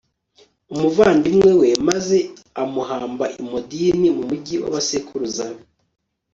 umuvandimwe we, maze amuhamba i modini mu mugi w'abasekuruza be